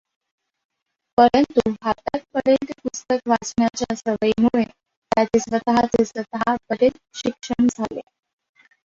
परंतु हातात पडेल ते पुस्तक वाचण्याच्या सवयीमुळे त्याचे स्वतःचे स्वतः बरेच शिक्षण झाले.